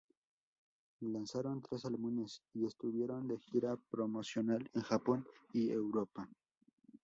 Lanzaron tres álbumes y estuvieron de gira promocional en Japón y Europa.